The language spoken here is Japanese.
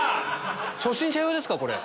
初心者用ですか？